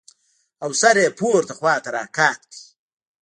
او سر يې پورته خوا راقات کړ.